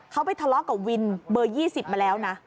เขาไปทะเลาะกับวินเบอร์๒๐มาแล้วนะ